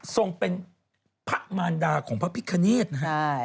ทรงเป็นพระมารดาของพระพิคเนธนะครับ